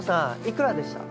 いくらでした？